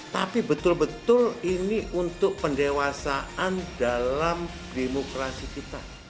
tapi betul betul ini untuk pendewasaan dalam demokrasi kita